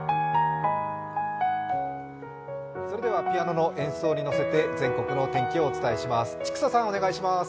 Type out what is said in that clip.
ピアノの演奏に乗せて、全国の天気をお伝えします。